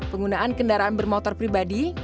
penggunaan kendaraan bermotor pribadi